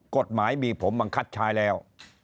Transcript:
กฎหมายมีผมบังคับใช้แล้ว